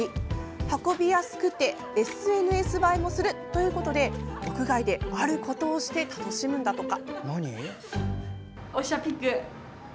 運びやすくてＳＮＳ映えもするということで屋外であることをして楽しむんだとか。